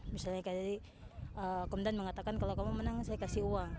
misalnya kayak jadi komandan mengatakan kalau kamu menang saya kasih uang